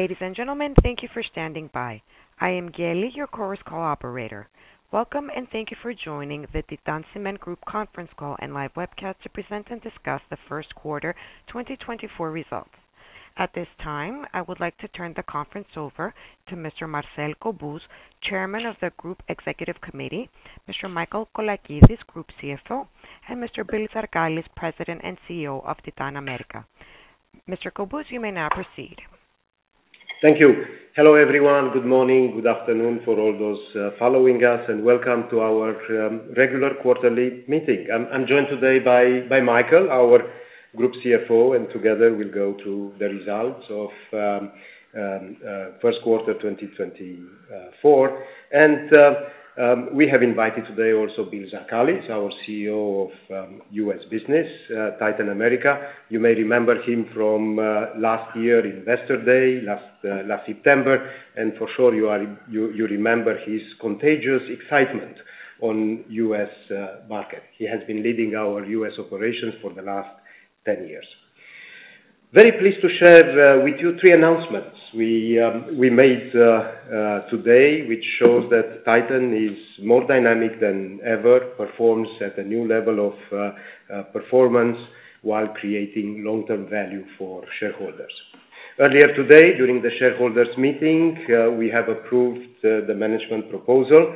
Ladies and gentlemen, thank you for standing by. I am Gelly, your Chorus Call operator. Welcome, and thank you for joining the Titan Cement Group conference call and live webcast to present and discuss the first quarter 2024 results. At this time, I would like to turn the conference over to Mr. Marcel Cobuz, Chairman of the Group Executive Committee, Mr. Michael Colakides, Group CFO, and Mr. Bill Zarkalis, President and CEO of Titan America. Mr. Cobuz, you may now proceed. Thank you. Hello, everyone. Good morning. Good afternoon for all those following us, and welcome to our regular quarterly meeting. I'm joined today by Michael, our Group CFO, and together we'll go through the results of first quarter 2024. We have invited today also Bill Zarkalis, our CEO of US Business, Titan America. You may remember him from last year Investor Day, last September, and for sure you remember his contagious excitement on US market. He has been leading our US operations for the last 10 years. Very pleased to share with you three announcements we made today, which shows that Titan is more dynamic than ever, performs at a new level of performance, while creating long-term value for shareholders. Earlier today, during the shareholders meeting, we have approved the management proposal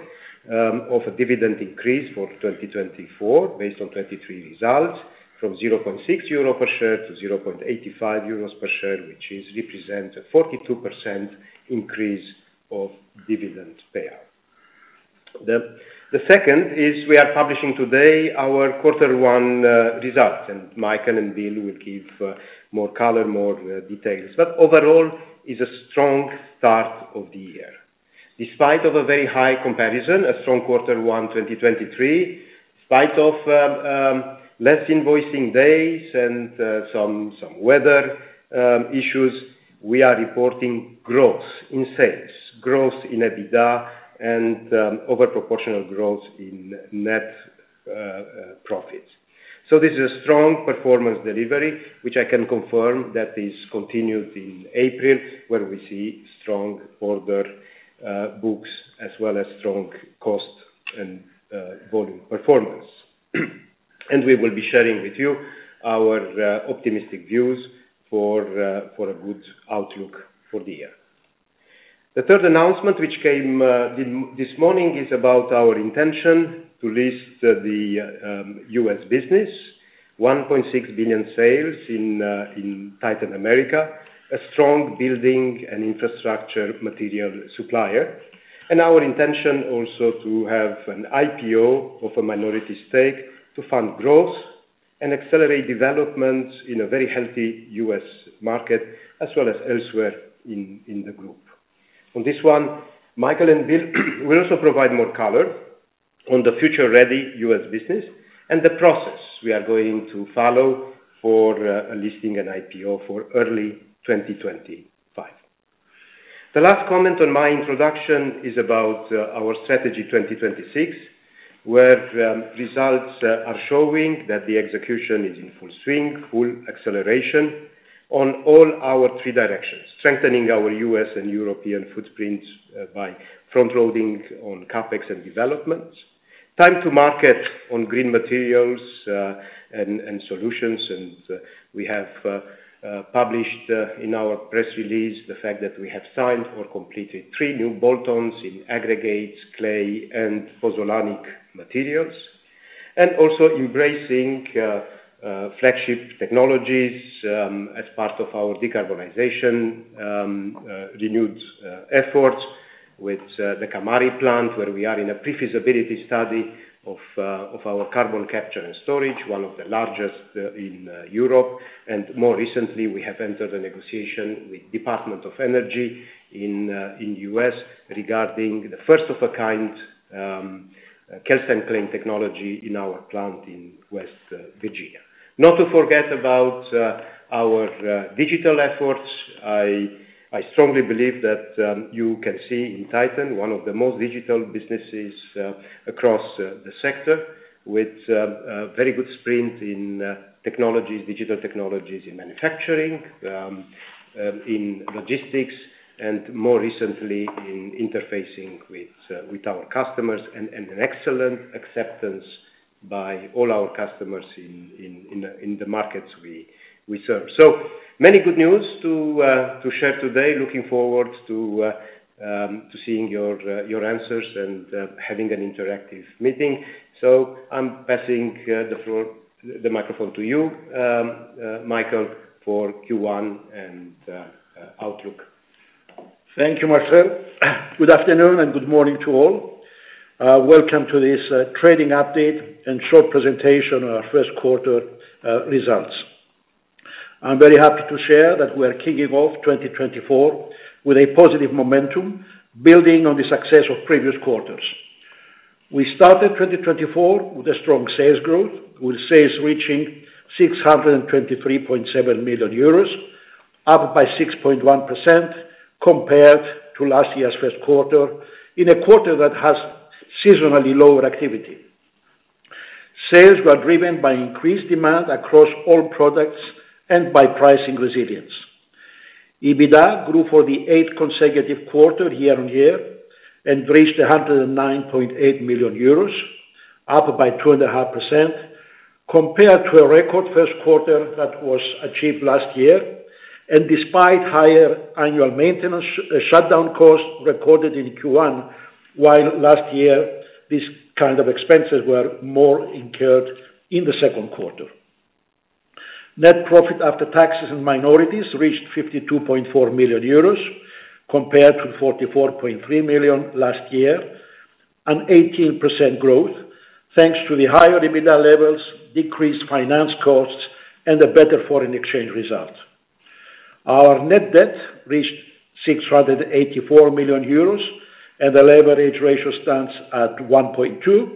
of a dividend increase for 2024, based on 2023 results, from 0.6 euro per share to 0.85 euros per share, which represents a 42% increase of dividend payout. The second is we are publishing today our quarter one results, and Michael and Bill will give more color, more details. But overall, it is a strong start of the year. Despite a very high comparison, a strong quarter one 2023, in spite of less invoicing days and some weather issues, we are reporting growth in sales, growth in EBITDA and over proportional growth in net profits. So this is a strong performance delivery, which I can confirm that this continued in April, where we see strong order books as well as strong cost and volume performance. We will be sharing with you our optimistic views for a good outlook for the year. The third announcement, which came this morning, is about our intention to list the U.S. business, $1.6 billion sales in Titan America, a strong building and infrastructure material supplier. Our intention also to have an IPO of a minority stake to fund growth and accelerate development in a very healthy U.S. market, as well as elsewhere in the group. On this one, Michael and Bill will also provide more color on the future-ready US business and the process we are going to follow for a listing and IPO for early 2025. The last comment on my introduction is about our strategy 2026, where results are showing that the execution is in full swing, full acceleration on all our three directions. Strengthening our US and European footprints by frontloading on CapEx and developments, time to market on green materials and solutions. And we have published in our press release the fact that we have signed or completed three new bolt-ons in aggregates, clay and pozzolanic materials. Also embracing flagship technologies as part of our decarbonization renewed efforts with the Kamari plant, where we are in a pre-feasibility study of our carbon capture and storage, one of the largest in Europe. More recently, we have entered a negotiation with Department of Energy in U.S. regarding the first-of-a-kind calcined clay technology in our plant in West Virginia. Not to forget about our digital efforts. I strongly believe that you can see in Titan one of the most digital businesses across the sector, with a very good sprint in technologies, digital technologies in manufacturing, in logistics, and more recently in interfacing with our customers, and an excellent acceptance by all our customers in the markets we serve. So, many good news to share today. Looking forward to seeing your answers and having an interactive meeting. So I'm passing the floor, the microphone to you, Michael, for Q1 and outlook. Thank you, Marcel. Good afternoon and good morning to all. Welcome to this trading update and short presentation of our first quarter results. I'm very happy to share that we are kicking off 2024 with a positive momentum, building on the success of previous quarters. We started 2024 with a strong sales growth, with sales reaching 623.7 million euros, up by 6.1% compared to last year's first quarter, in a quarter that has seasonally lower activity sales were driven by increased demand across all products and by pricing resilience. EBITDA grew for the eighth consecutive quarter, year-on-year, and reached 109.8 million euros, up by 2.5%, compared to a record first quarter that was achieved last year, and despite higher annual maintenance shutdown costs recorded in Q1, while last year, these kind of expenses were more incurred in the second quarter. Net profit after taxes and minorities reached 52.4 million euros, compared to 44.3 million last year, an 18% growth, thanks to the higher EBITDA levels, decreased finance costs, and a better foreign exchange result. Our net debt reached 684 million euros, and the leverage ratio stands at 1.2,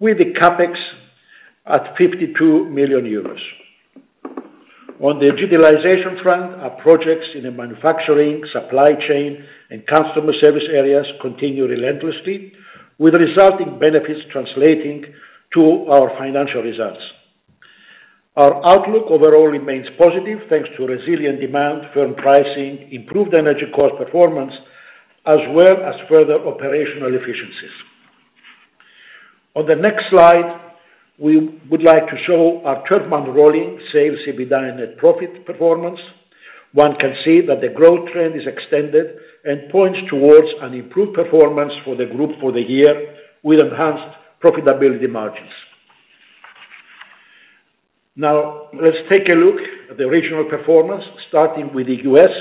with the CapEx at 52 million euros. On the digitalization front, our projects in the manufacturing, supply chain, and customer service areas continue relentlessly, with resulting benefits translating to our financial results. Our outlook overall remains positive, thanks to resilient demand, firm pricing, improved energy cost performance, as well as further operational efficiencies. On the next slide, we would like to show our 12-month rolling sales, EBITDA, and net profit performance. One can see that the growth trend is extended and points towards an improved performance for the group for the year, with enhanced profitability margins. Now, let's take a look at the regional performance, starting with the U.S.,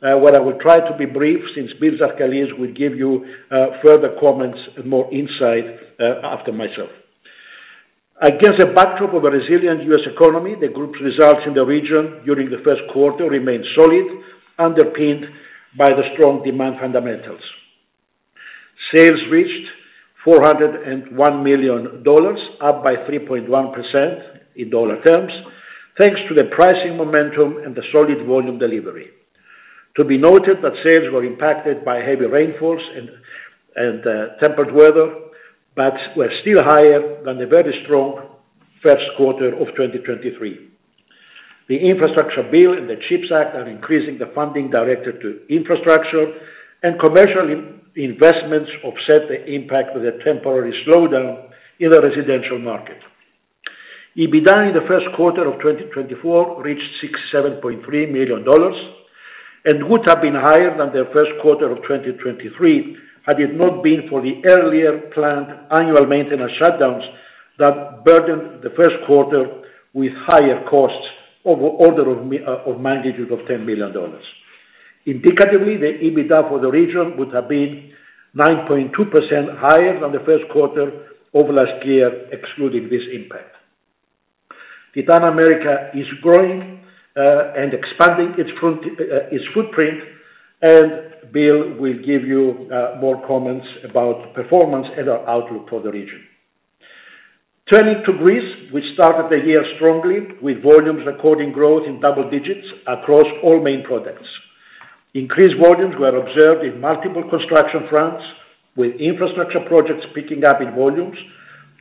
where I will try to be brief, since Bill Zarkalis will give you, further comments and more insight, after myself. Against a backdrop of a resilient U.S. economy, the group's results in the region during the first quarter remained solid, underpinned by the strong demand fundamentals. Sales reached $401 million, up by 3.1% in dollar terms, thanks to the pricing momentum and the solid volume delivery. To be noted that sales were impacted by heavy rainfalls and temperate weather, but were still higher than the very strong first quarter of 2023. The infrastructure bill and the CHIPS Act are increasing the funding directed to infrastructure, and commercial investments offset the impact of the temporary slowdown in the residential market. EBITDA in the first quarter of 2024 reached $67.3 million, and would have been higher than the first quarter of 2023, had it not been for the earlier planned annual maintenance shutdowns that burdened the first quarter with higher costs on the order of magnitude of $10 million. Indicatively, the EBITDA for the region would have been 9.2% higher than the first quarter of last year, excluding this impact. Titan America is growing and expanding its footprint, and Bill will give you more comments about the performance and our outlook for the region. Turning to Greece, we started the year strongly, with volumes recording growth in double digits across all main products. Increased volumes were observed in multiple construction fronts, with infrastructure projects picking up in volumes,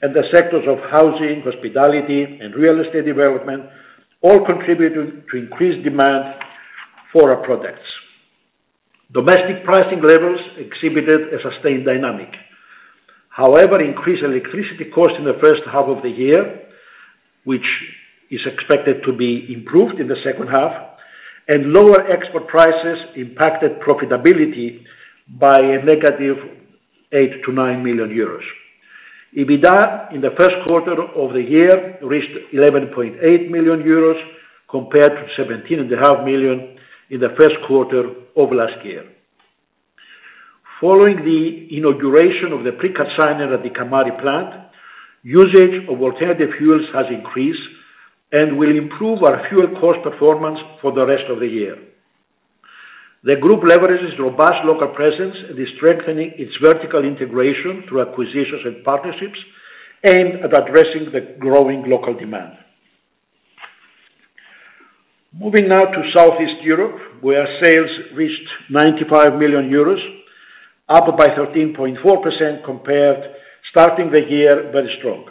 and the sectors of housing, hospitality, and real estate development all contributed to increased demand for our products. Domestic pricing levels exhibited a sustained dynamic. However, increased electricity costs in the first half of the year, which is expected to be improved in the second half, and lower export prices impacted profitability by a negative 8 million-9 million euros. EBITDA in the first quarter of the year reached 11.8 million euros, compared to 17.5 million in the first quarter of last year. Following the inauguration of the pre-calciner at the Kamari plant, usage of alternative fuels has increased and will improve our fuel cost performance for the rest of the year. The group leverages robust local presence and is strengthening its vertical integration through acquisitions and partnerships, and at addressing the growing local demand. Moving now to Southeast Europe, where sales reached 95 million euros, up by 13.4% compared, starting the year very strong.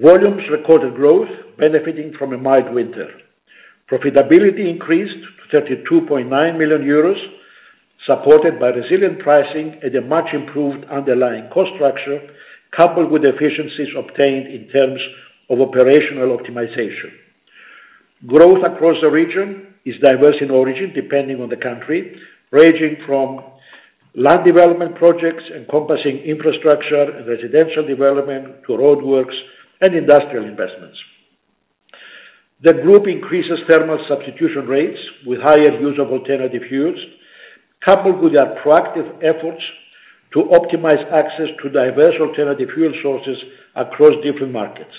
Volumes recorded growth benefiting from a mild winter. Profitability increased to 32.9 million euros, supported by resilient pricing and a much improved underlying cost structure, coupled with efficiencies obtained in terms of operational optimization. Growth across the region is diverse in origin, depending on the country, ranging from land development projects, encompassing infrastructure and residential development, to roadworks and industrial investments. The group increases thermal substitution rates with higher use of alternative fuels, coupled with our proactive efforts to optimize access to diverse alternative fuel sources across different markets.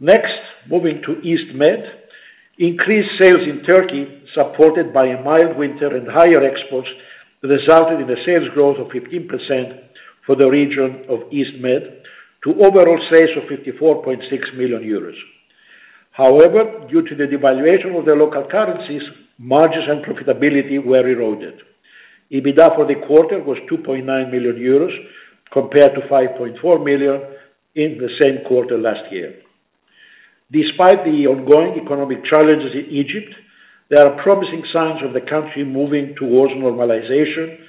Next, moving to East Med. Increased sales in Turkey, supported by a mild winter and higher exports, resulted in a sales growth of 15% for the region of East Med to overall sales of 54.6 million euros. However, due to the devaluation of the local currencies, margins and profitability were eroded. EBITDA for the quarter was 2.9 million euros, compared to 5.4 million in the same quarter last year. Despite the ongoing economic challenges in Egypt, there are promising signs of the country moving towards normalization,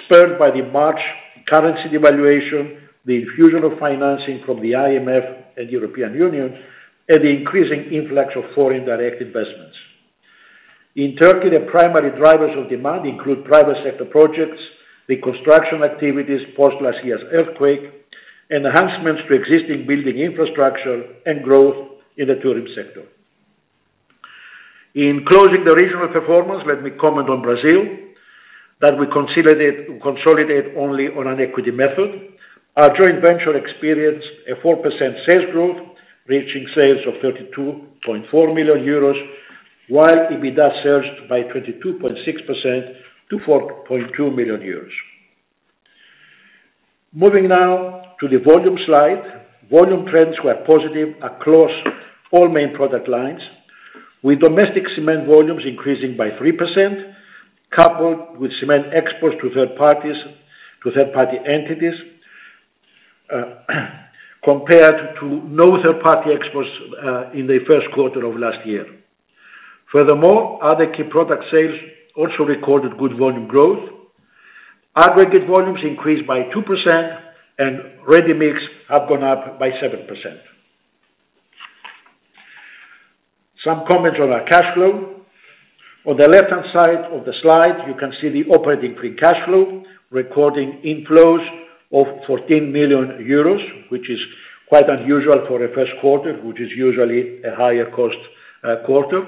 spurred by the March currency devaluation, the infusion of financing from the IMF and European Union, and the increasing influx of foreign direct investments. In Turkey, the primary drivers of demand include private sector projects, the construction activities post last year's earthquake, enhancements to existing building infrastructure, and growth in the tourism sector. In closing the regional performance, let me comment on Brazil, that we consider it consolidated only on an equity method. Our joint venture experienced a 4% sales growth, reaching sales of 32.4 million euros, while EBITDA surged by 22.6% to 4.2 million euros. Moving now to the volume slide. Volume trends were positive across all main product lines, with domestic cement volumes increasing by 3%, coupled with cement exports to third parties - to third-party entities, compared to no third-party exports in the first quarter of last year. Furthermore, other key product sales also recorded good volume growth. Aggregate volumes increased by 2%, and ready-mix have gone up by 7%. Some comments on our cash flow. On the left-hand side of the slide, you can see the operating free cash flow, recording inflows of 14 million euros, which is quite unusual for a first quarter, which is usually a higher cost quarter,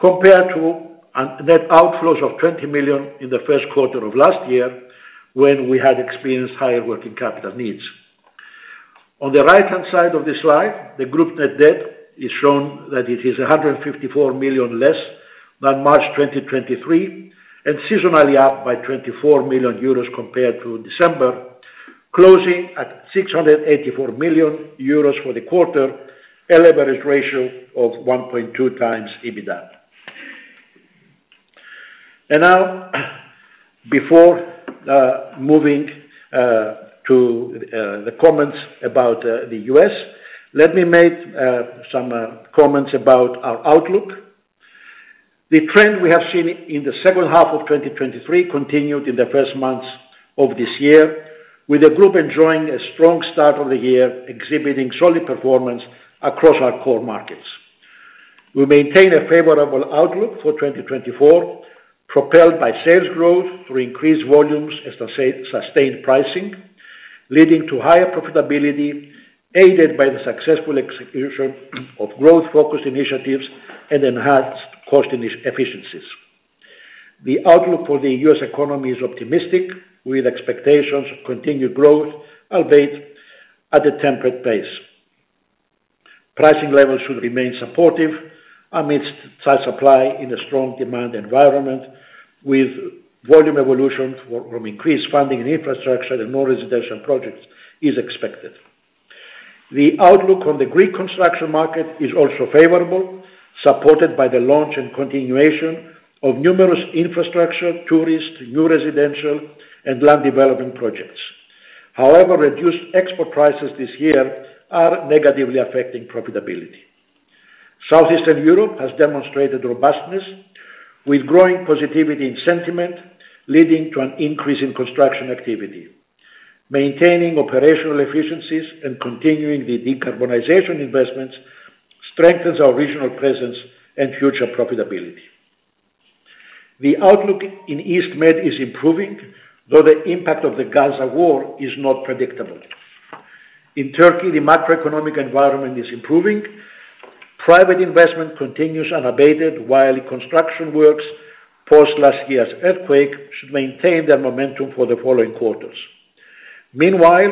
compared to net outflows of 20 million in the first quarter of last year, when we had experienced higher working capital needs. On the right-hand side of this slide, the group net debt is shown that it is 154 million less than March 2023, and seasonally up by 24 million euros compared to December, closing at 684 million euros for the quarter, a leverage ratio of 1.2x EBITDA. And now, before moving to the comments about the US, let me make some comments about our outlook. The trend we have seen in the second half of 2023 continued in the first months of this year, with the group enjoying a strong start of the year, exhibiting solid performance across our core markets. We maintain a favorable outlook for 2024, propelled by sales growth through increased volumes and sustained pricing, leading to higher profitability, aided by the successful execution of growth-focused initiatives and enhanced cost efficiencies. The outlook for the U.S. economy is optimistic, with expectations of continued growth, albeit at a temperate pace. Pricing levels should remain supportive amidst tight supply in a strong demand environment, with volume evolution from increased funding in infrastructure and more residential projects is expected. The outlook on the Greek construction market is also favorable, supported by the launch and continuation of numerous infrastructure, tourist, new residential, and land development projects. However, reduced export prices this year are negatively affecting profitability. Southeastern Europe has demonstrated robustness, with growing positivity and sentiment leading to an increase in construction activity. Maintaining operational efficiencies and continuing the decarbonization investments strengthens our regional presence and future profitability. The outlook in East Med is improving, though the impact of the Gaza war is not predictable. In Turkey, the macroeconomic environment is improving. Private investment continues unabated, while construction works, post last year's earthquake, should maintain their momentum for the following quarters. Meanwhile,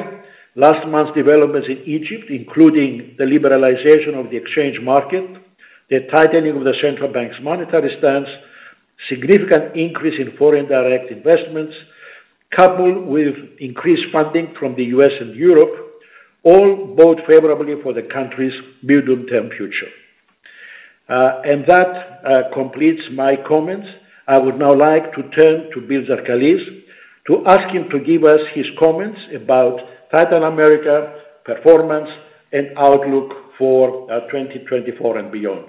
last month's developments in Egypt, including the liberalization of the exchange market, the tightening of the central bank's monetary stance, significant increase in foreign direct investments, coupled with increased funding from the US and Europe, all bode favorably for the country's medium-term future. And that completes my comments. I would now like to turn to Bill Zarkalis to ask him to give us his comments about Titan America performance and outlook for 2024 and beyond.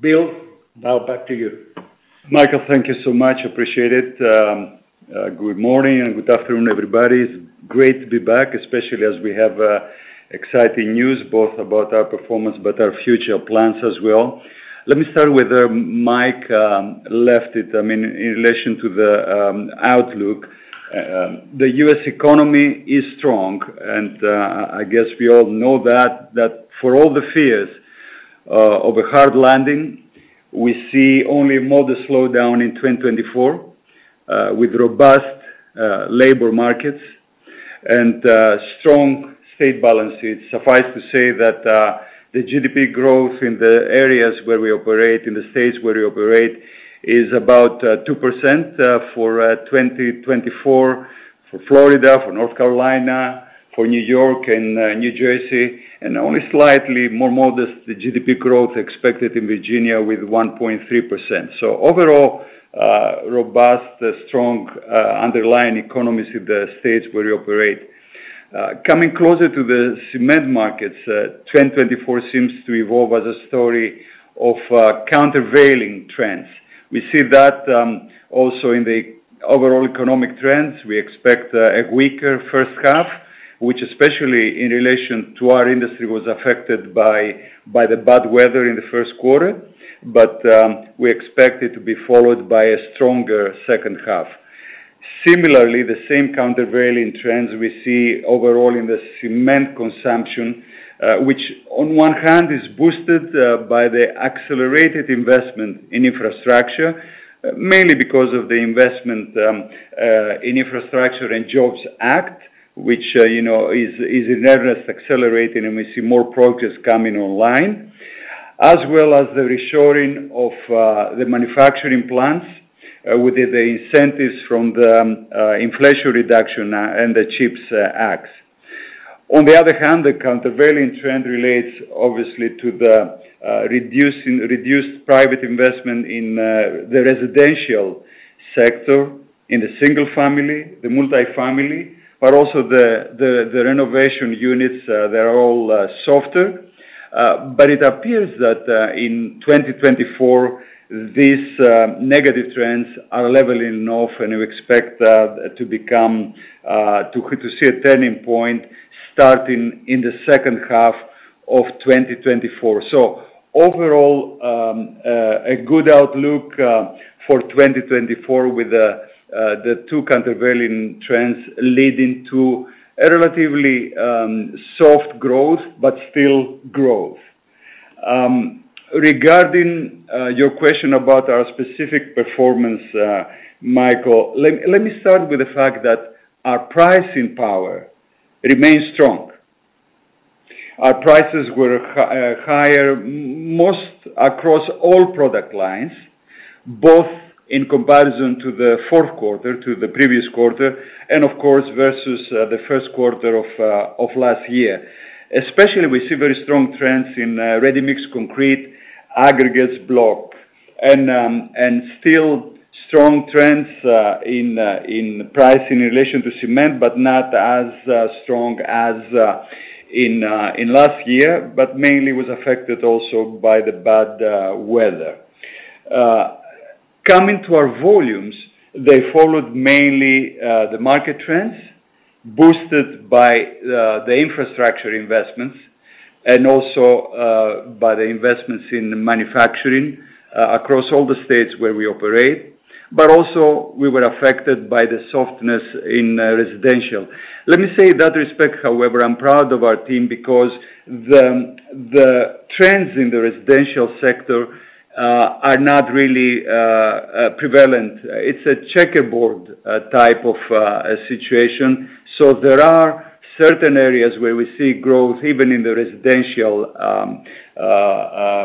Bill, now back to you. Michael, thank you so much. Appreciate it. Good morning and good afternoon, everybody. It's great to be back, especially as we have exciting news, both about our performance, but our future plans as well. Let me start with Mike left it, I mean, in relation to the outlook. The U.S. economy is strong, and I guess we all know that, that for all the fears of a hard landing, we see only a modest slowdown in 2024 with robust labor markets and strong state balances. Suffice to say that the GDP growth in the areas where we operate, in the states where we operate, is about 2% for 2024. for Florida, for North Carolina, for New York, and, New Jersey, and only slightly more modest, the GDP growth expected in Virginia with 1.3%. So overall, robust, strong, underlying economies in the states where we operate. Coming closer to the cement markets, 2024 seems to evolve as a story of, countervailing trends. We see that, also in the overall economic trends. We expect, a weaker first half, which especially in relation to our industry, was affected by, by the bad weather in the first quarter, but, we expect it to be followed by a stronger second half. Similarly, the same countervailing trends we see overall in the cement consumption, which on one hand is boosted by the accelerated investment in infrastructure, mainly because of the investment in Infrastructure and Jobs Act, which, you know, is in earnest accelerating, and we see more projects coming online, as well as the reshoring of the manufacturing plants with the incentives from the Inflation Reduction and the CHIPS Acts. On the other hand, the countervailing trend relates obviously to the reduced private investment in the residential sector, in the single family, the multifamily, but also the renovation units; they're all softer. But it appears that, in 2024, these negative trends are leveling off, and we expect that to become to see a turning point starting in the second half of 2024. So overall, a good outlook for 2024 with the two countervailing trends leading to a relatively soft growth, but still growth. Regarding your question about our specific performance, Michael, let me start with the fact that our pricing power remains strong. Our prices were higher most across all product lines, both in comparison to the fourth quarter, to the previous quarter, and of course, versus the first quarter of last year. Especially, we see very strong trends in ready-mix concrete, aggregates, block, and still strong trends in price in relation to cement, but not as strong as in last year, but mainly was affected also by the bad weather. Coming to our volumes, they followed mainly the market trends, boosted by the infrastructure investments and also by the investments in manufacturing across all the states where we operate, but also we were affected by the softness in residential. Let me say that respect, however, I'm proud of our team because the trends in the residential sector are not really prevalent. It's a checkerboard type of situation. So there are certain areas where we see growth, even in the residential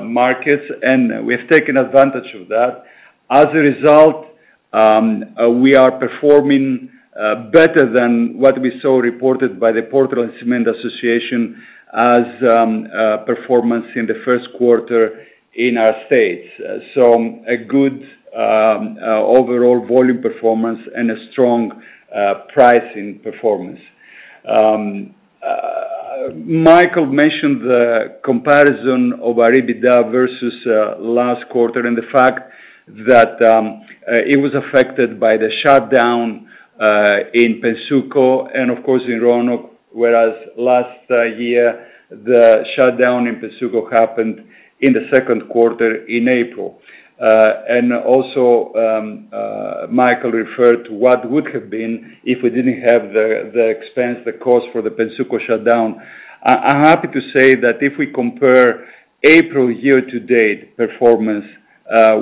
markets, and we have taken advantage of that. As a result, we are performing better than what we saw reported by the Portland Cement Association as performance in the first quarter in our states. So a good overall volume performance and a strong pricing performance. Michael mentioned the comparison of our EBITDA versus last quarter, and the fact that it was affected by the shutdown in Pennsuco and of course, in Roanoke, whereas last year, the shutdown in Pennsuco happened in the second quarter in April. And also, Michael referred to what would have been if we didn't have the expense, the cost for the Pennsuco shutdown. I'm happy to say that if we compare April year-to-date performance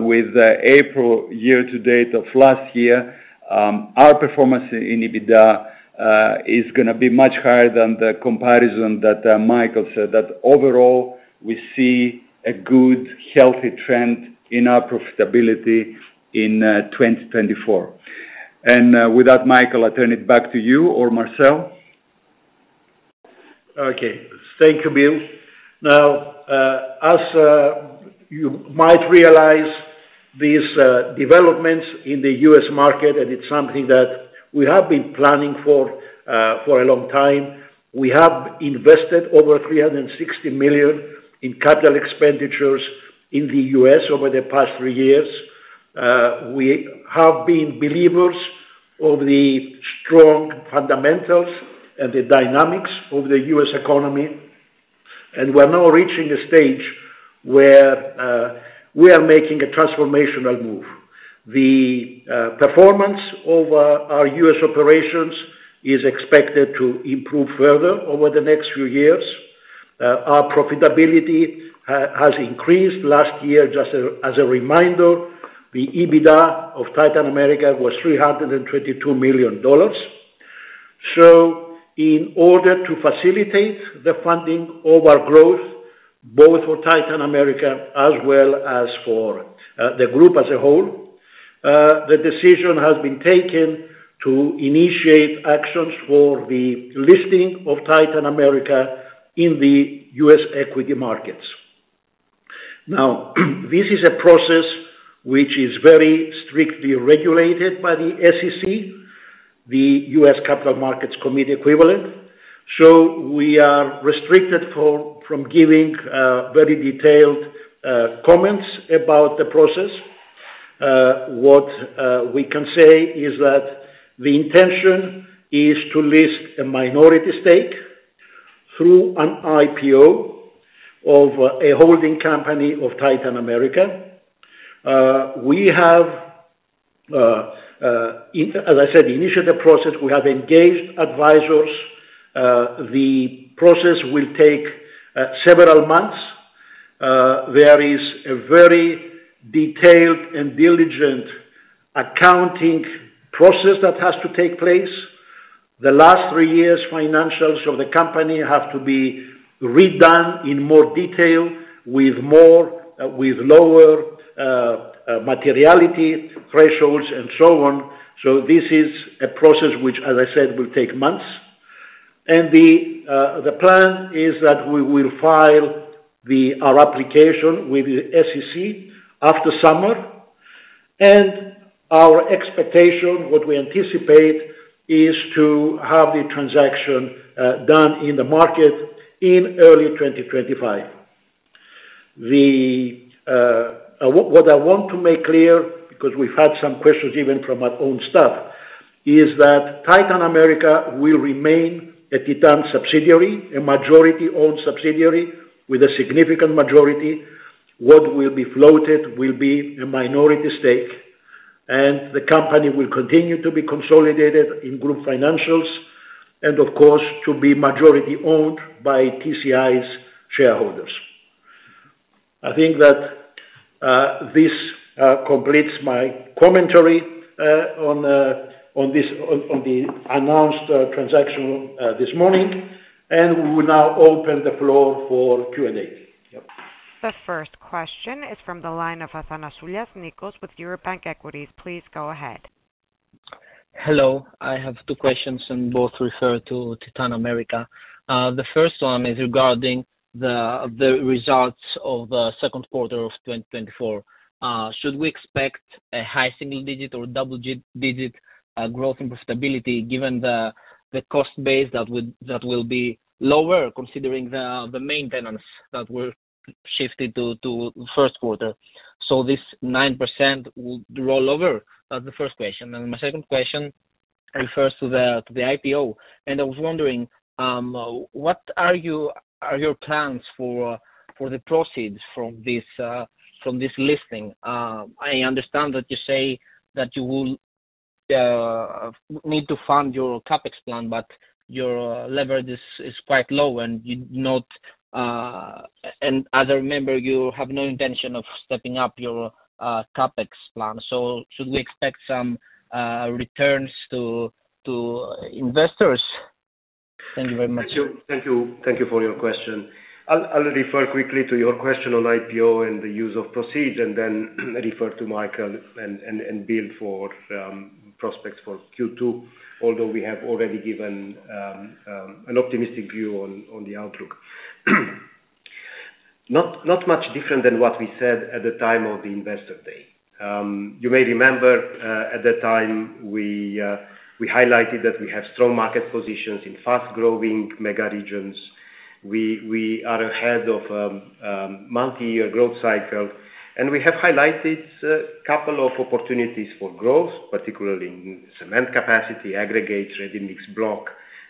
with April year-to-date of last year, our performance in EBITDA is gonna be much higher than the comparison that Michael said. That overall, we see a good, healthy trend in our profitability in 2024. With that, Michael, I turn it back to you or Marcel. Okay. Thank you, Bill. Now, as you might realize, these developments in the US market, and it's something that we have been planning for a long time. We have invested over $360 million in capital expenditures in the US over the past three years. We have been believers of the strong fundamentals and the dynamics of the US economy, and we're now reaching a stage where we are making a transformational move. The performance of our US operations is expected to improve further over the next few years. Our profitability has increased. Last year, just as a reminder, the EBITDA of Titan America was $322 million. So in order to facilitate the funding of our growth both for Titan America as well as for the group as a whole. The decision has been taken to initiate actions for the listing of Titan America in the U.S. equity markets. Now, this is a process which is very strictly regulated by the SEC, the U.S. Capital Markets Committee equivalent, so we are restricted from giving very detailed comments about the process. What we can say is that the intention is to list a minority stake through an IPO of a holding company of Titan America. We have, as I said, initiated the process. We have engaged advisors. The process will take several months. There is a very detailed and diligent accounting process that has to take place. The last three years' financials of the company have to be redone in more detail, with lower materiality thresholds, and so on. This is a process which, as I said, will take months. The plan is that we will file our application with the SEC after summer, and our expectation, what we anticipate, is to have the transaction done in the market in early 2025. What I want to make clear, because we've had some questions even from our own staff, is that Titan America will remain a Titan subsidiary, a majority-owned subsidiary with a significant majority. What will be floated will be a minority stake, and the company will continue to be consolidated in group financials, and of course, to be majority-owned by TCI's shareholders. I think that this completes my commentary on this, on the announced transaction this morning, and we will now open the floor for Q&A. Yep. The first question is from the line of Athanasoulias Nikos with Eurobank Equities. Please go ahead. Hello. I have two questions, and both refer to Titan America. The first one is regarding the results of the second quarter of 2024. Should we expect a high single digit or double digit growth and profitability, given the cost base that will be lower, considering the maintenance that were shifted to the first quarter? So this 9% would roll over. That's the first question. And my second question refers to the IPO. And I was wondering what are your plans for the proceeds from this listing? I understand that you say that you will need to fund your CapEx plan, but your leverage is quite low and you not. And as I remember, you have no intention of stepping up your CapEx plan. Should we expect some returns to investors? Thank you very much. Thank you. Thank you for your question. I'll refer quickly to your question on IPO and the use of proceeds, and then refer to Michael and Bill for prospects for Q2, although we have already given an optimistic view on the outlook. Not much different than what we said at the time of the Investor Day. You may remember, at that time, we highlighted that we have strong market positions in fast-growing mega regions. We are ahead of multi-year growth cycle, and we have highlighted a couple of opportunities for growth, particularly in cement capacity, aggregates, ready-mix, block,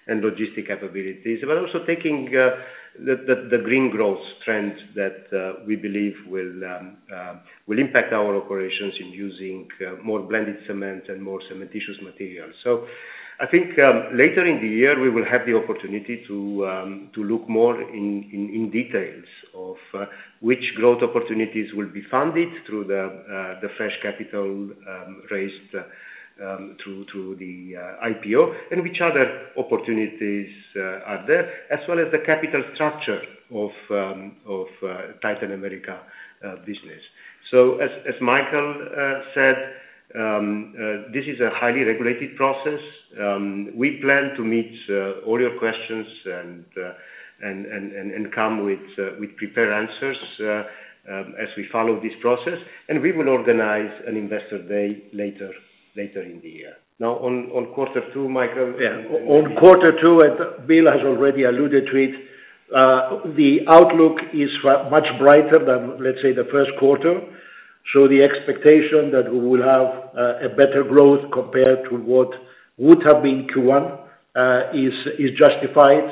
and logistics capabilities. But also taking the green growth trend that we believe will impact our operations in using more blended cement and more cementitious materials. So I think, later in the year, we will have the opportunity to look more in details of which growth opportunities will be funded through the fresh capital raised through the IPO, and which other opportunities are there, as well as the capital structure of Titan America business. So as Michael said, this is a highly regulated process. We plan to meet all your questions and come with prepared answers as we follow this process, and we will organize an investor day later in the year. Now, on quarter two, Michael? Yeah. On quarter two, as Bill has already alluded to it, the outlook is much brighter than, let's say, the first quarter. So the expectation that we will have a better growth compared to what would have been Q1 is justified.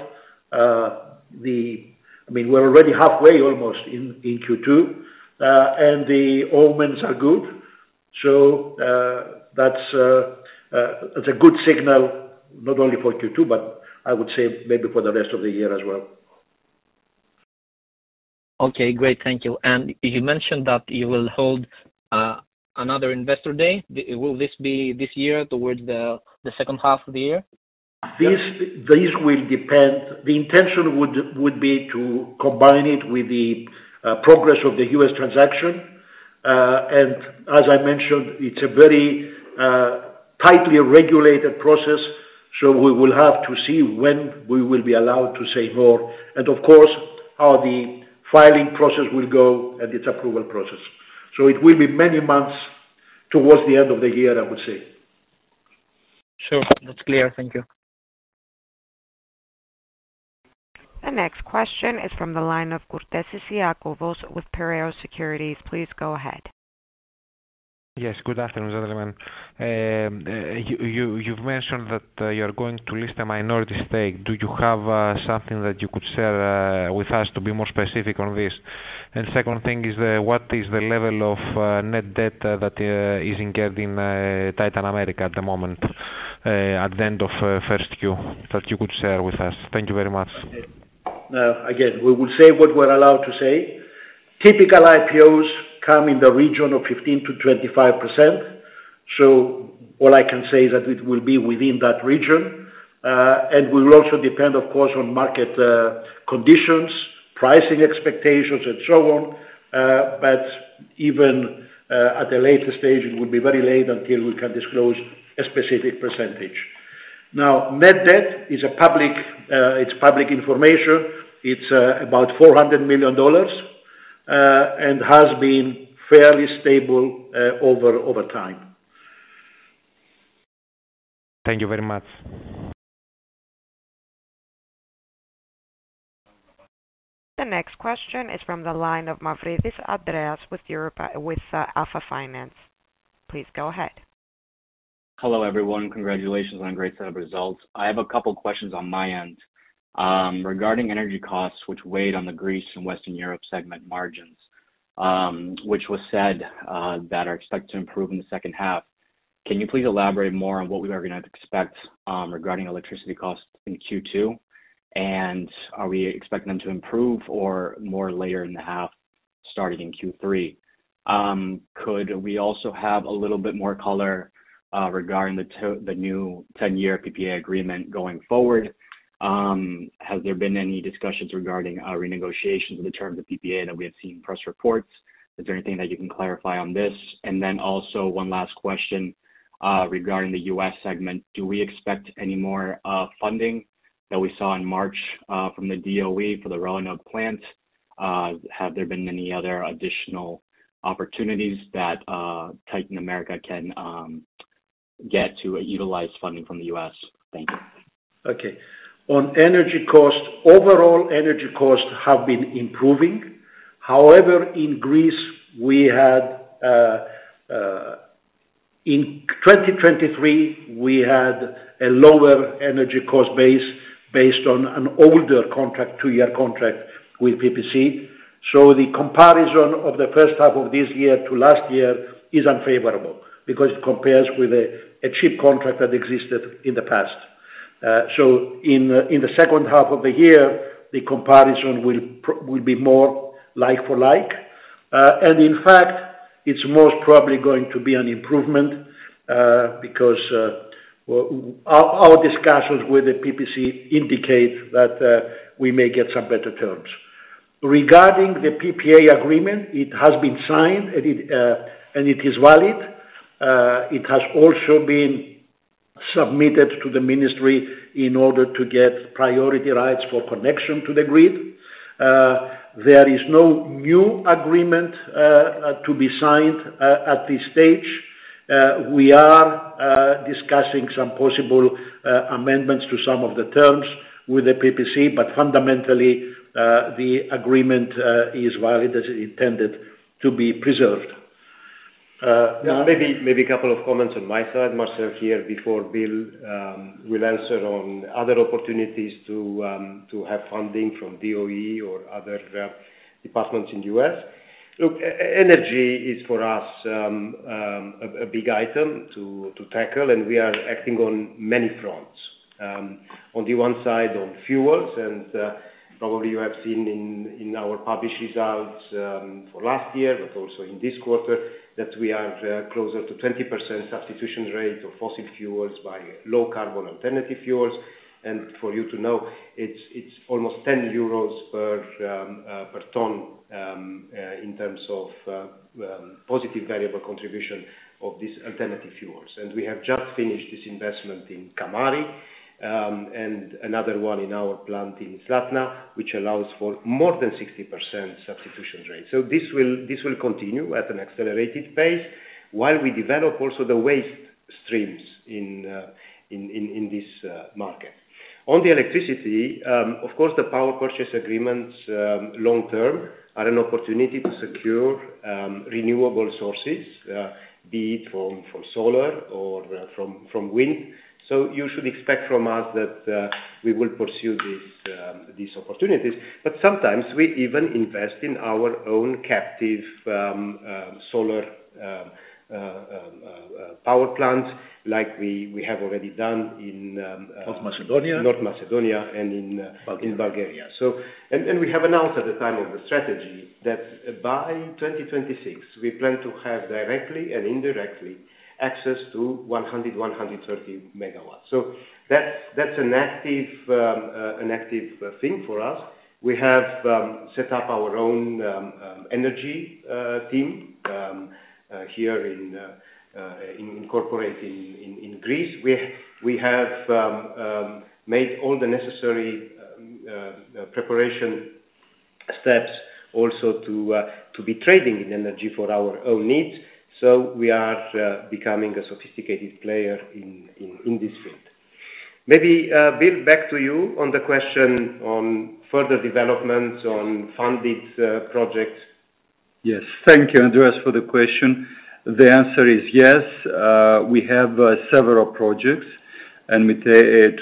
I mean, we're already halfway, almost, in Q2, and the omens are good. So that's a good signal, not only for Q2, but I would say maybe for the rest of the year as well. Okay, great. Thank you. And you mentioned that you will hold another investor day. Will this be this year, towards the second half of the year? This will depend. The intention would be to combine it with the progress of the US transaction. And as I mentioned, it's a very tightly regulated process, so we will have to see when we will be allowed to say more, and of course, how the filing process will go and its approval process. So it will be many months towards the end of the year, I would say. Sure, that's clear. Thank you. The next question is from the line of Kourtesis Iakovos with Piraeus Securities. Please go ahead. Yes, good afternoon, gentlemen. You've mentioned that you're going to list a minority stake. Do you have something that you could share with us to be more specific on this? And the second thing is, what is the level of net debt that is incurred in Titan America at the moment, at the end of first Q, that you could share with us? Thank you very much. Again, we will say what we're allowed to say. Typical IPOs come in the region of 15%-25%, so all I can say is that it will be within that region. And will also depend, of course, on market conditions, pricing expectations, and so on. But even at a later stage, it would be very late until we can disclose a specific percentage. Now, net debt is public. It's public information. It's about $400 million and has been fairly stable over time. Thank you very much. The next question is from the line of Andreas Mavridis with Alpha Finance. Please go ahead. Hello, everyone. Congratulations on a great set of results. I have a couple questions on my end. Regarding energy costs, which weighed on the Greece and Western Europe segment margins, which was said that are expected to improve in the second half. Can you please elaborate more on what we are gonna expect regarding electricity costs in Q2? And are we expecting them to improve or more later in the half, starting in Q3? Could we also have a little bit more color regarding the new ten-year PPA agreement going forward? Has there been any discussions regarding renegotiation of the terms of PPA that we have seen in press reports? Is there anything that you can clarify on this? And then also one last question regarding the US segment. Do we expect any more funding that we saw in March from the DOE for the Roanoke plant? Have there been any other additional opportunities that Titan America can get to utilize funding from the US? Thank you. Okay. On energy costs, overall energy costs have been improving. However, in Greece, we had in 2023, we had a lower energy cost base, based on an older contract, two-year contract with PPC. So the comparison of the first half of this year to last year is unfavorable, because it compares with a cheap contract that existed in the past. So in the second half of the year, the comparison will be more like for like, and in fact, it's most probably going to be an improvement, because well, our discussions with the PPC indicate that we may get some better terms. Regarding the PPA agreement, it has been signed, and it is valid. It has also been submitted to the ministry in order to get priority rights for connection to the grid. There is no new agreement to be signed at this stage. We are discussing some possible amendments to some of the terms with the PPC, but fundamentally, the agreement is valid, as intended, to be preserved. Maybe, maybe a couple of comments on my side, Marcel, here, before Bill will answer on other opportunities to have funding from DOE or other departments in the US. Look, energy is, for us, a big item to tackle, and we are acting on many fronts. On the one side, on fuels, and probably you have seen in our published results for last year, but also in this quarter, that we are closer to 20% substitution rate of fossil fuels by low carbon alternative fuels. And for you to know, it's almost 10 euros per ton in terms of positive variable contribution of these alternative fuels. We have just finished this investment in Kamari, and another one in our plant in Zlatna, which allows for more than 60% substitution rate. So this will continue at an accelerated pace, while we develop also the waste streams in this market. On the electricity, of course, the power purchase agreements, long term, are an opportunity to secure renewable sources, be it from solar or from wind. So you should expect from us that we will pursue these opportunities, but sometimes we even invest in our own captive solar power plant, like we have already done in— North Macedonia. North Macedonia and in Bulgaria. We have announced at the time of the strategy that by 2026, we plan to have directly and indirectly access to 100-130 MW. So that's an active thing for us. We have set up our own energy team here in the corporation in Greece. We have made all the necessary preparation steps also to be trading in energy for our own needs. So we are becoming a sophisticated player in this field. Maybe, Bill, back to you on the question on further developments on funded projects. Yes. Thank you, Andreas, for the question. The answer is yes. We have several projects, and we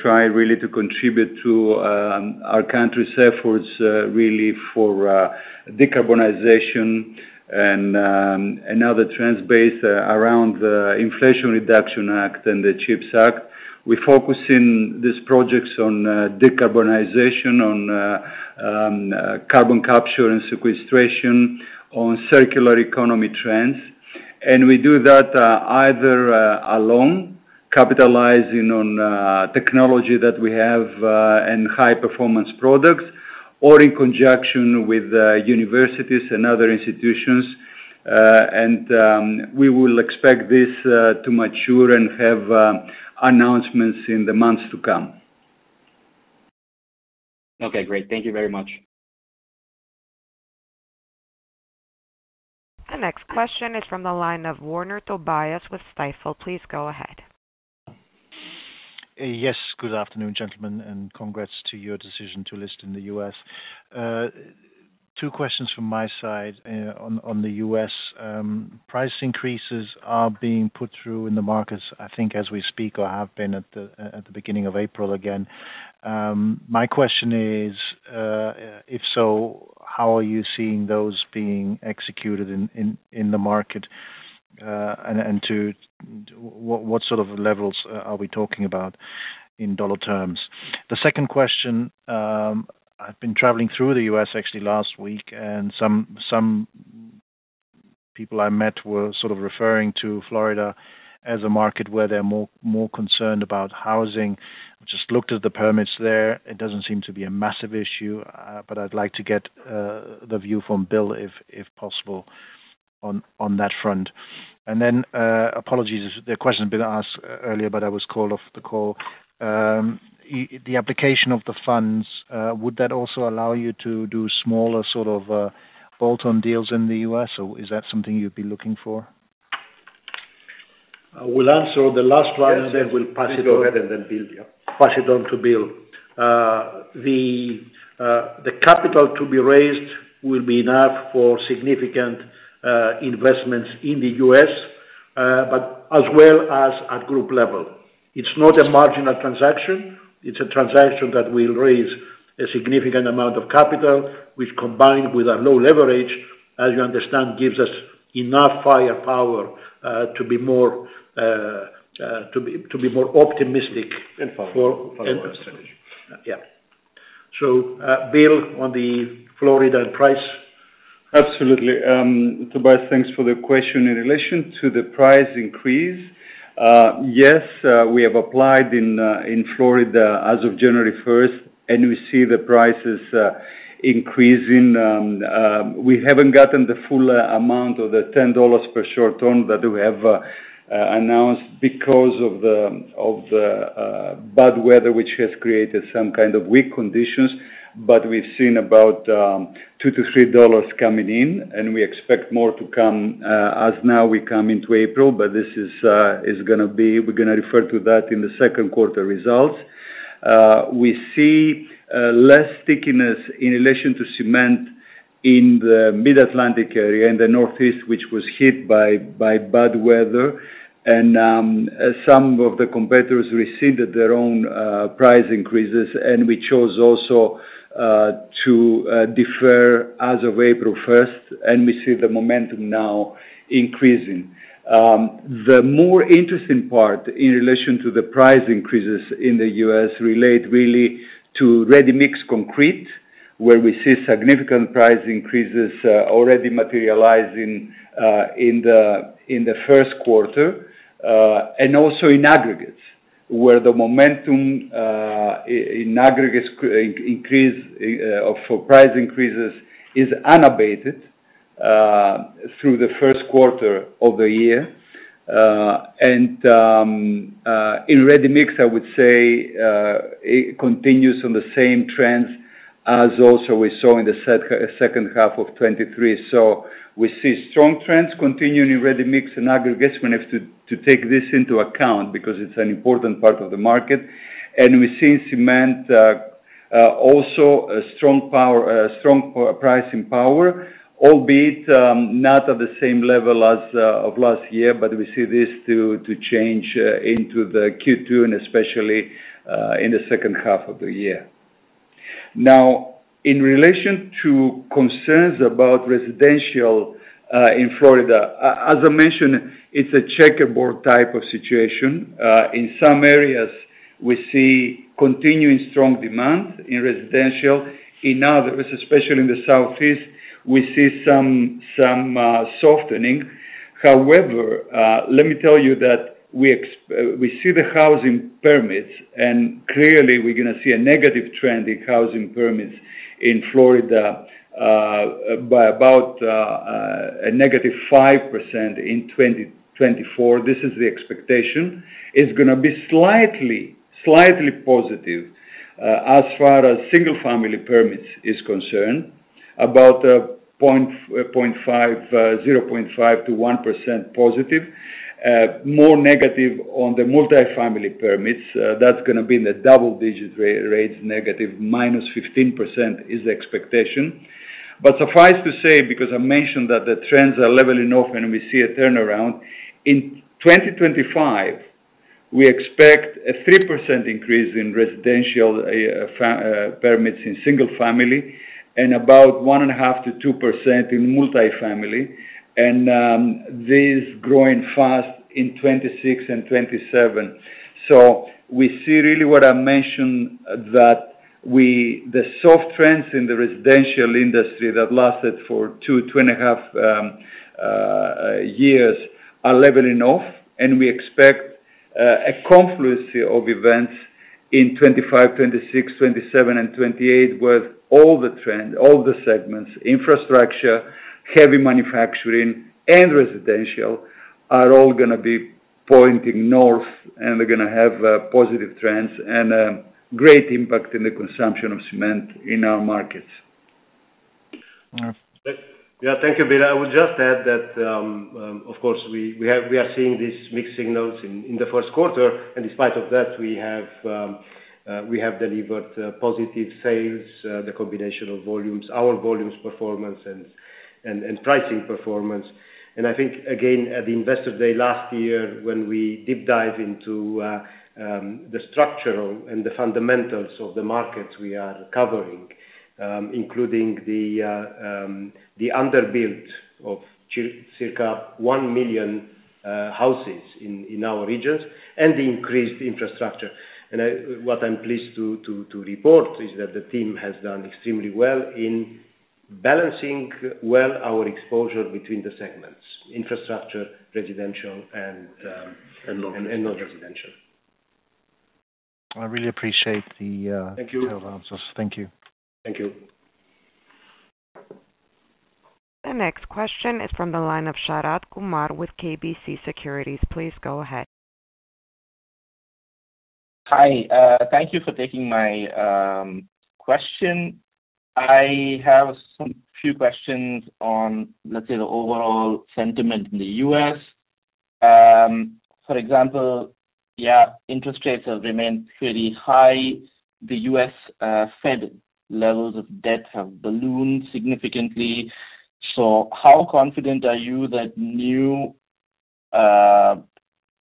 try really to contribute to our country's efforts really for decarbonization and other trends based around the Inflation Reduction Act and the CHIPS Act. We're focusing these projects on decarbonization, on carbon capture and sequestration, on circular economy trends. And we do that either alone, capitalizing on technology that we have and high performance products, or in conjunction with universities and other institutions. And we will expect this to mature and have announcements in the months to come. Okay, great. Thank you very much. The next question is from the line of Woerner Tobias with Stifel. Please go ahead. Yes, good afternoon, gentlemen, and congrats to your decision to list in the U.S. Two questions from my side on the U.S. Price increases are being put through in the markets, I think, as we speak, or have been at the beginning of April again. My question is, if so, how are you seeing those being executed in the market, and to what sort of levels are we talking about in dollar terms? The second question, I've been traveling through the U.S. actually last week, and some people I met were sort of referring to Florida as a market where they're more concerned about housing. Just looked at the permits there. It doesn't seem to be a massive issue, but I'd like to get the view from Bill, if possible, on that front. Then, apologies, the question has been asked earlier, but I was called off the call. The application of the funds, would that also allow you to do smaller sort of bolt-on deals in the U.S., or is that something you'd be looking for? I will answer the last one, and then we'll pass it on— Go ahead, yeah. Pass it on to Bill. The capital to be raised will be enough for significant investments in the U.S., but as well as at group level. It's not a marginal transaction, it's a transaction that will raise a significant amount of capital, which, combined with our low leverage, as you understand, gives us enough firepower to be more optimistic— Follow— Yeah. So, Bill, on the Florida price. Absolutely. Tobias, thanks for the question. In relation to the price increase, yes, we have applied in Florida as of January first, and we see the prices increasing. We haven't gotten the full amount of the $10 per short ton that we have announced because of the bad weather, which has created some kind of weak conditions, but we've seen about $2-$3 coming in, and we expect more to come as now we come into April. But this is gonna be—we're gonna refer to that in the second quarter results. We see less stickiness in relation to cement in the Mid-Atlantic area, in the Northeast, which was hit by bad weather. And, some of the competitors rescinded their own price increases, and we chose also to defer as of April first, and we see the momentum now increasing. The more interesting part in relation to the price increases in the U.S. relate really to ready-mix concrete, where we see significant price increases already materializing in the first quarter, and also in aggregates, where the momentum in aggregates increase for price increases is unabated through the first quarter of the year. And, in ready-mix, I would say, it continues on the same trends as also we saw in the second half of 2023. So we see strong trends continuing in ready-mix and aggregates. We have to take this into account because it's an important part of the market. We see in cement also a strong power, strong pricing power, albeit not at the same level as of last year, but we see this to change into the Q2 and especially in the second half of the year. Now, in relation to concerns about residential in Florida, as I mentioned, it's a checkerboard type of situation. In some areas—we see continuing strong demand in residential. In other, especially in the Southeast, we see some softening. However, let me tell you that we see the housing permits, and clearly we're gonna see a negative trend in housing permits in Florida by about a negative 5% in 2024. This is the expectation. It's gonna be slightly positive as far as single-family permits is concerned, about point five, zero point five to one percent positive. More negative on the multifamily permits. That's gonna be in the double-digit rates, negative minus fifteen percent is the expectation. But suffice to say, because I mentioned that the trends are leveling off and we see a turnaround, in 2025, we expect a 3% increase in residential permits in single family, and about 1.5%-2% in multifamily, and this growing fast in 2026 and 2027. So we see really what I mentioned, that we the soft trends in the residential industry that lasted for 2.5 years are leveling off, and we expect a confluence of events in 2025, 2026, 2027, and 2028, with all the trend, all the segments, infrastructure, heavy manufacturing, and residential, are all gonna be pointing north, and they're gonna have positive trends and great impact in the consumption of cement in our markets. Yeah, thank you, Bill. I would just add that, of course, we are seeing these mixed signals in the first quarter, and in spite of that, we have delivered positive sales, the combination of volumes, our volumes performance, and pricing performance. And I think, again, at the Investor Day last year, when we deep dive into the structural and the fundamentals of the markets we are covering, including the underbuilt of circa 1 million houses in our regions, and the increased infrastructure. What I'm pleased to report is that the team has done extremely well in balancing well our exposure between the segments, infrastructure, residential and non-residential. I really appreciate the— Thank you. Thank you. Thank you. The next question is from the line of Sharad Kumar with KBC Securities. Please go ahead. Hi. Thank you for taking my question. I have some few questions on, let's say, the overall sentiment in the U.S. For example, yeah, interest rates have remained fairly high. The U.S. Fed levels of debt have ballooned significantly. So how confident are you that new,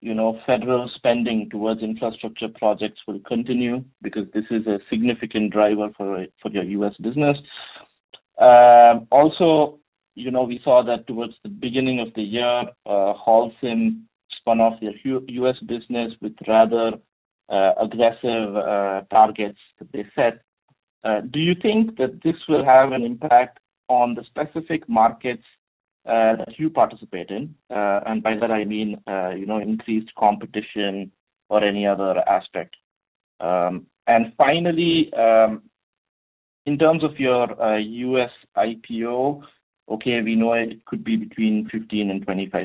you know, federal spending towards infrastructure projects will continue? Because this is a significant driver for your U.S. business. Also, you know, we saw that towards the beginning of the year, Holcim spun off their U.S. business with rather aggressive targets that they set. Do you think that this will have an impact on the specific markets that you participate in? And by that I mean, you know, increased competition or any other aspect. Finally, in terms of your U.S. IPO, okay, we know it could be between 15% and 25%,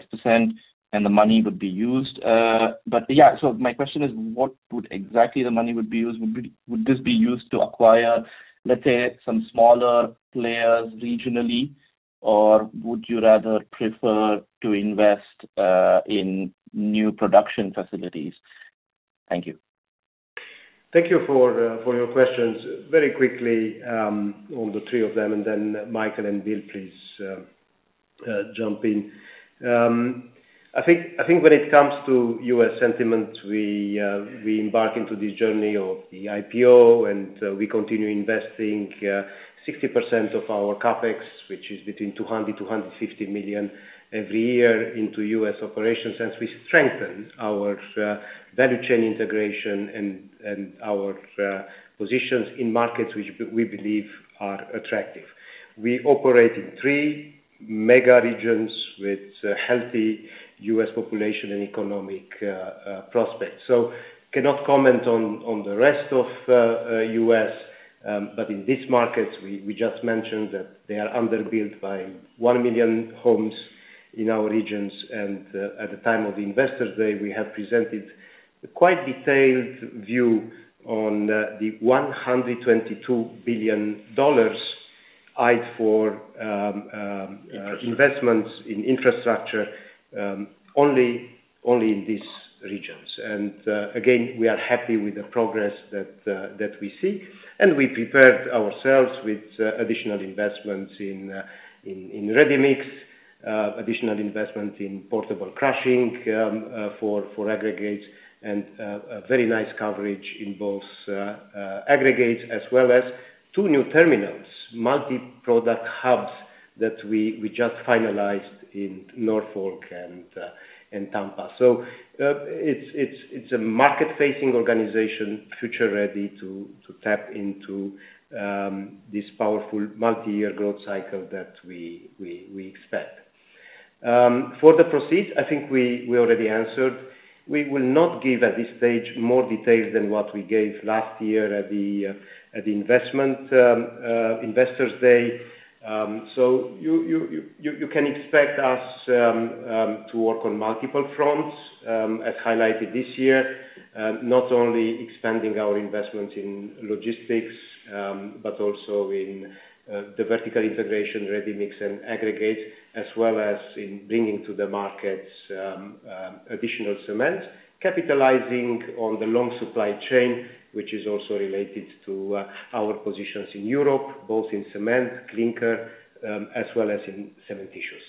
and the money would be used. But yeah, so my question is, what exactly would the money be used? Would this be used to acquire, let's say, some smaller players regionally, or would you rather prefer to invest in new production facilities? Thank you. Thank you for your questions. Very quickly, on the three of them, and then Michael and Bill, please, jump in. I think when it comes to U.S. sentiment, we embark into this journey of the IPO, and we continue investing 60% of our CapEx, which is between $200 million-$250 million every year into U.S. operations. As we strengthen our value chain integration and our positions in markets which we believe are attractive. We operate in three mega regions with healthy U.S. population and economic prospects. So cannot comment on the rest of U.S., but in these markets, we just mentioned that they are underbuilt by 1 million homes in our regions. At the time of the Investors Day, we have presented a quite detailed view on the $122 billion eyed for investments in infrastructure, only, only in these regions. Again, we are happy with the progress that we see, and we prepared ourselves with additional investments in ready mix, additional investment in portable crushing for aggregates, and a very nice coverage in both aggregates as well as two new terminals, multi-product hubs that we just finalized in Norfolk and Tampa. So, it's a market-facing organization, future ready to tap into this powerful multi-year growth cycle that we expect. For the proceeds, I think we already answered. We will not give, at this stage, more details than what we gave last year at the investors day. So you can expect us to work on multiple fronts, as highlighted this year. Not only expanding our investments in logistics, but also in the vertical integration, ready mix and aggregate, as well as in bringing to the markets, additional cement. Capitalizing on the long supply chain, which is also related to our positions in Europe, both in cement, clinker, as well as in cementitious.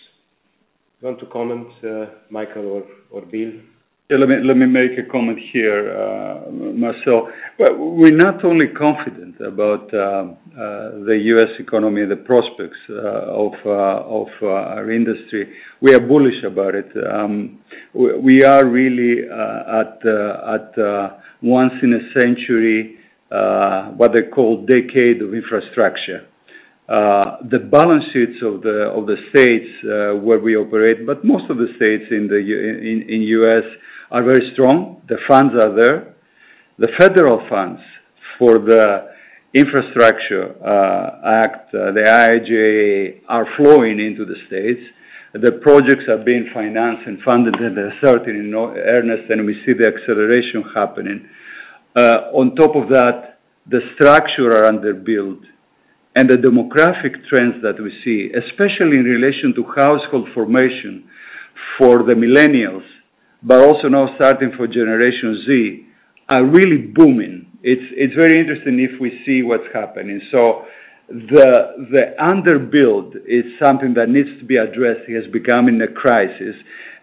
You want to comment, Michael or Bill? Yeah, let me, let me make a comment here, Marcel. Well, we're not only confident about the U.S. economy and the prospects of our industry, we are bullish about it. We are really at the once in a century what they call decade of infrastructure. The balance sheets of the states where we operate, but most of the states in the U.S., are very strong. The funds are there. The federal funds for the Infrastructure Act, the IIJA, are flowing into the states. The projects are being financed and funded, and they're certain in earnest, and we see the acceleration happening. On top of that, the structures are underbuilt and the demographic trends that we see, especially in relation to household formation for the Millennials, but also now starting for Generation Z, are really booming. It's very interesting if we see what's happening. So the underbuild is something that needs to be addressed. It has become a crisis,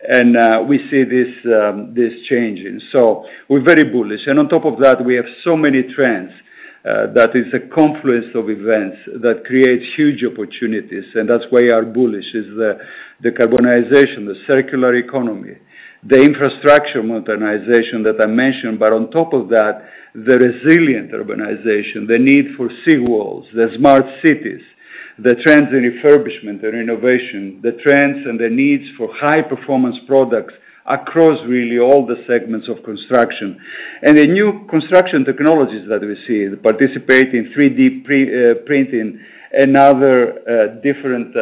and we see this changing. So we're very bullish. And on top of that, we have so many trends that is a confluence of events that create huge opportunities, and that's why our bullish is the decarbonization, the circular economy, the infrastructure modernization that I mentioned. But on top of that, the resilient urbanization, the need for seawalls, the smart cities, the trends in refurbishment and renovation, the trends and the needs for high-performance products across really all the segments of construction. And the new construction technologies that we see, participate in 3D printing and other different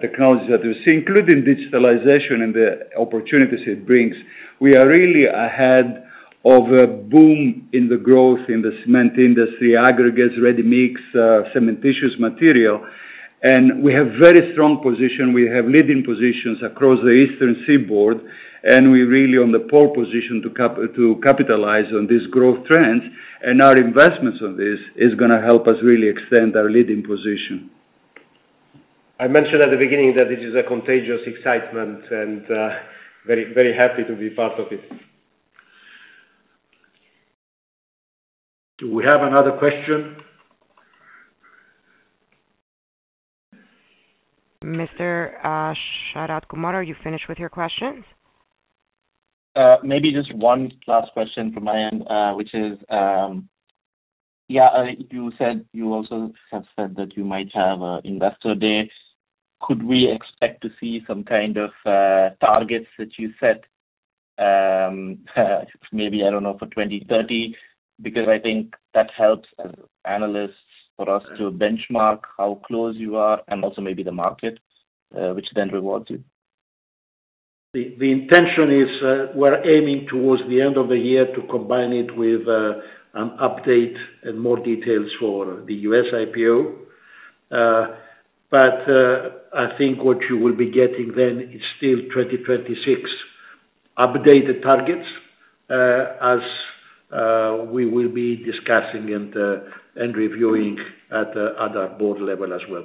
technologies that we see, including digitalization and the opportunities it brings. We are really ahead of a boom in the growth in the cement industry, aggregates, ready-mix, cementitious material, and we have very strong position. We have leading positions across the Eastern Seaboard, and we're really on the pole position to capitalize on this growth trends. And our investments on this is gonna help us really extend our leading position. I mentioned at the beginning that this is a contagious excitement and, very, very happy to be part of it. Do we have another question? Mr. Sharad Kumar, are you finished with your questions? Maybe just one last question from my end, which is, yeah, you said, you also have said that you might have an investor day. Could we expect to see some kind of targets that you set, maybe, I don't know, for 2030? Because I think that helps as analysts, for us to benchmark how close you are and also maybe the market, which then rewards you. The intention is, we're aiming towards the end of the year to combine it with an update and more details for the US IPO. But, I think what you will be getting then is still 2026 updated targets, as we will be discussing and reviewing at our board level as well.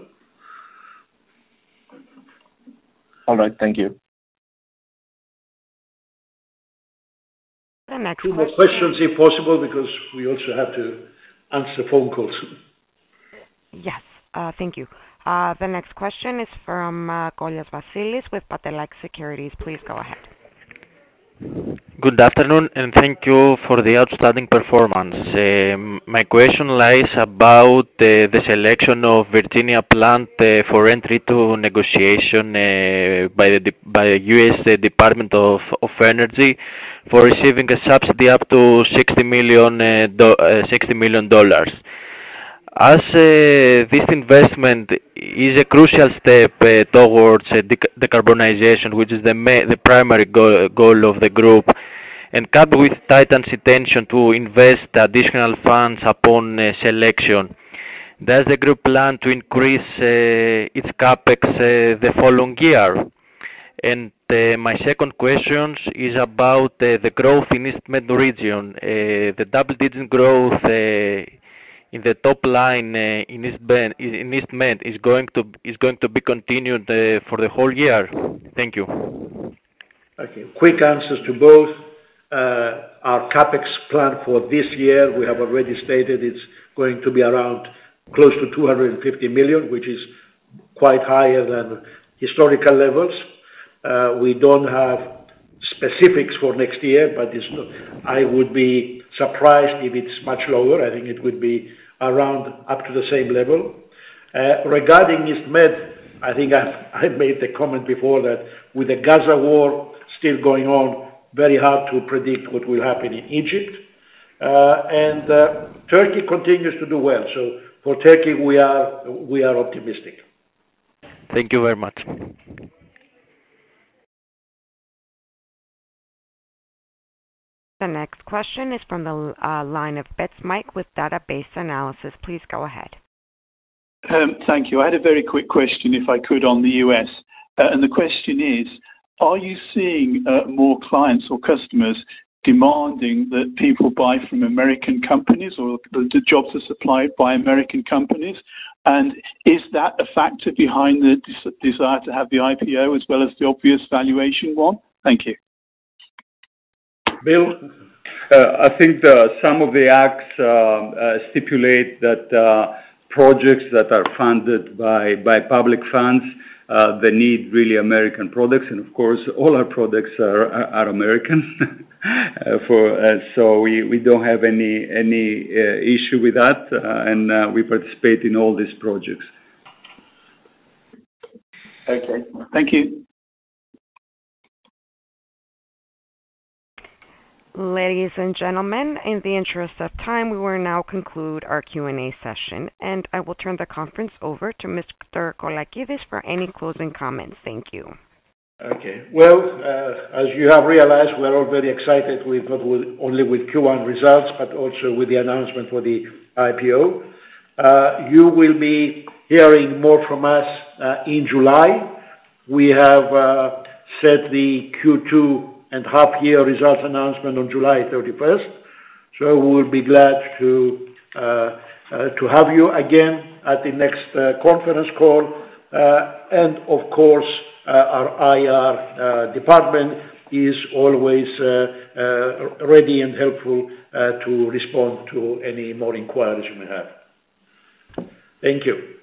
All right. Thank you. The next question— Two more questions, if possible, because we also have to answer phone calls. Yes. Thank you. The next question is fromKollias Vasilis with Pantelakis Securities. Please go ahead. Good afternoon, and thank you for the outstanding performance. My question lies about the selection of Virginia plant for entry to negotiation by the US Department of Energy for receiving a subsidy up to $60 million. As this investment is a crucial step towards decarbonization, which is the main—the primary goal of the group, and come with Titan's intention to invest additional funds upon selection. Does the group plan to increase its CapEx the following year? And my second questions is about the growth in East Med region. The double-digit growth in the top line in East Med is going to be continued for the whole year? Thank you. Okay, quick answers to both. Our CapEx plan for this year, we have already stated it's going to be around close to 250 million, which is quite higher than historical levels. We don't have specifics for next year, but it's, I would be surprised if it's much lower. I think it would be around up to the same level. Regarding East Med, I think I made the comment before that with the Gaza war still going on, very hard to predict what will happen in Egypt. And Turkey continues to do well. So for Turkey, we are optimistic. Thank you very much. The next question is from the line of Mike Betts with Data Based Analysis. Please go ahead. Thank you. I had a very quick question, if I could, on the U.S. The question is: Are you seeing more clients or customers demanding that people buy from American companies or the jobs are supplied by American companies? Is that a factor behind the desire to have the IPO as well as the obvious valuation one? Thank you. Bill, I think some of the acts stipulate that projects that are funded by public funds, they need really American products, and of course, all our products are American. So we don't have any issue with that, and we participate in all these projects. Okay. Thank you. Ladies and gentlemen, in the interest of time, we will now conclude our Q&A session, and I will turn the conference over to Mr. Colakides for any closing comments. Thank you. Okay. Well, as you have realized, we are all very excited not only with Q1 results, but also with the announcement for the IPO. You will be hearing more from us in July. We have set the Q2 and half year results announcement on July thirty-first. So we will be glad to have you again at the next conference call. And of course, our IR department is always ready and helpful to respond to any more inquiries you may have. Thank you.